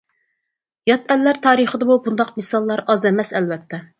يات ئەللەر تارىخىدىمۇ بۇنداق مىساللار ئاز ئەمەس ئەلۋەتتە.